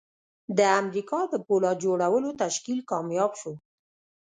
د امریکا د پولاد جوړولو تشکیل کامیاب شو